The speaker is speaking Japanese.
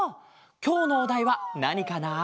きょうのおだいはなにかな？